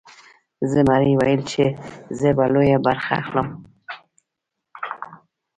زمري ویل چې زه به لویه برخه اخلم.